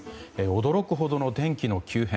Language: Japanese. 驚くほどの天気の急変。